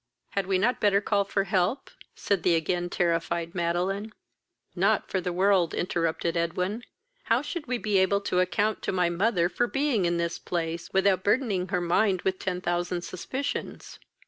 "Had we not better call for help?" said the again terrified Madeline. "Not for the world! (interrupted Edwin;) how should we be able to account to my mother for being in this place, without burthening her mind with ten thousand suspicions?